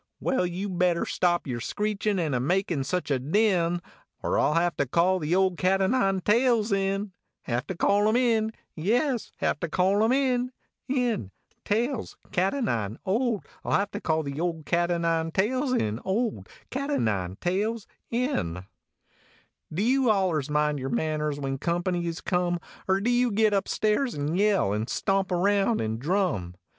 Well, you better stop yer screechin an a makin such a din, Er I ll have to call the old cat o nine tails in Have to call him in ; yes, have to call him in ; in. tails cat o nine old I ll have to call the old cat o nine tails in. old cat o nine tails in. 99 THE CA T O NINE TAILS Do you allers mind your manners when company is come ? Er do you git up stairs nd yell, nd stomp around nd drum?